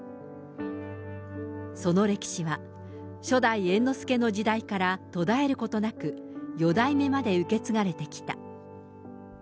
その歴史は、初代猿之助の時代から途絶えることなく、四代目まで受け継がれてきた。